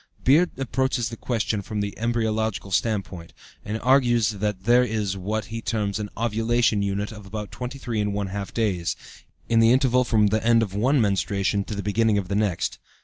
Beard approaches the question from the embryological standpoint, and argues that there is what he terms an "ovulation unit" of about 23½ days, in the interval from the end of one menstruation to the beginning of the next.